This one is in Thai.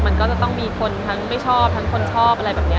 มันก็จะต้องมีคนทั้งไม่ชอบทั้งคนชอบอะไรแบบนี้